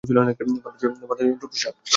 বাদ্যযন্ত্র, পোষাক।